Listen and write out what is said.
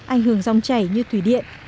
anh hưởng dòng chảy như tùy điện